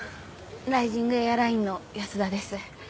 ライジングエアラインの安田です。